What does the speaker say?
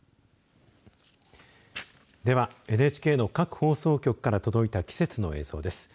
ではＮＨＫの各放送局から届いた季節の映像です。